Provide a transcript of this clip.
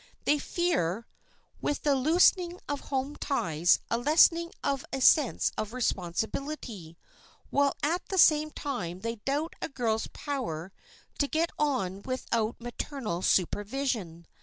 They fear, with the loosening of home ties, a lessening of a sense of responsibility, while at the same time they doubt a girl's power to get on without maternal supervision.